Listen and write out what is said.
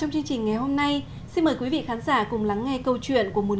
rất vui khi nghe được những câu hỏi của anh